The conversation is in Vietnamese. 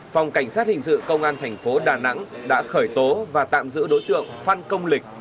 phòng cảnh sát hình sự công an thành phố đà nẵng đã khởi tố và tạm giữ đối tượng phan công lịch